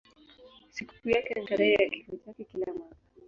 Sikukuu yake ni tarehe ya kifo chake kila mwaka.